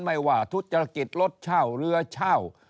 ไม่ว่าธุรกิจรถเช่าเรือเช่า